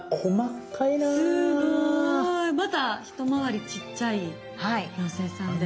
また一回りちっちゃい妖精さんで。